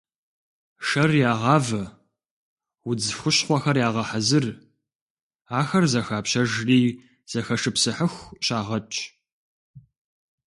Шэр ягъавэ, удз хущхъуэхэр ягъэхьэзыр, ахэр зэхапщэжри зэхэшыпсыхьыху щагъэтщ.